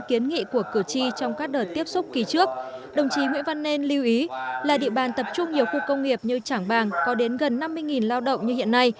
kiến nghị của cử tri trong các đợt tiếp xúc kỳ trước đồng chí nguyễn văn nên lưu ý là địa bàn tập trung nhiều khu công nghiệp như trảng bàng có đến gần năm mươi lao động như hiện nay